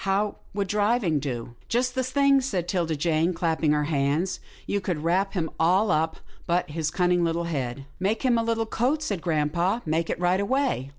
How would driving do?" " Just the thing," said 'Tilda Jane, clapping her hands. " You could wrap him all up, but his cun ning little head." " Make him a little coat," said grampa, " make it right away."